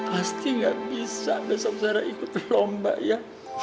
pasti gak bisa besok sarah ikut lomba ya